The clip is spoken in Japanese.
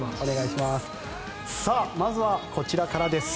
まずはこちらからです。